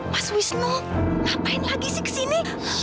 mas wisnu ngapain lagi sih ke sini